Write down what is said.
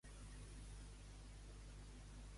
Més endavant, la frase va ferir Bush políticament.